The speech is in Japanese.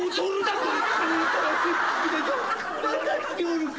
分かっておるか？